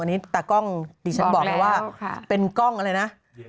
อันนี้ตากล้องดิฉันบอกเลยว่าเป็นกล้องอะไรนะ